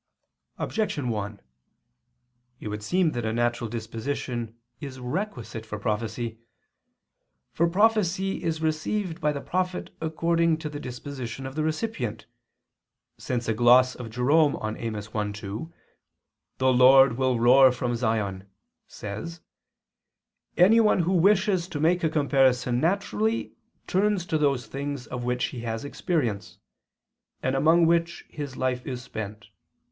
Objection 1: It would seem that a natural disposition is requisite for prophecy. For prophecy is received by the prophet according to the disposition of the recipient, since a gloss of Jerome on Amos 1:2, "The Lord will roar from Sion," says: "Anyone who wishes to make a comparison naturally turns to those things of which he has experience, and among which his life is spent.